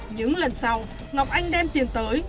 những lần sau ngọc anh đem tiền tới